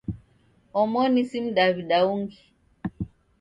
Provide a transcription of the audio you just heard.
Omoni si mdaw'ida ungi.